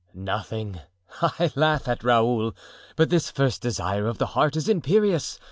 "Nothing—I laugh at Raoul; but this first desire of the heart is imperious.